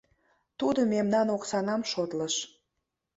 — Тудо мемнан оксанам шотлыш.